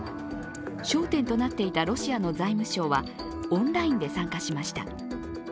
焦点となっていたロシアの財務相はオンラインで参加しました。